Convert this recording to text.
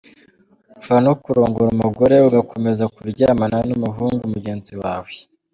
Ushobora no kurongora umugore ugakomeza kuryamana n’umuhungu mugenzi wawe.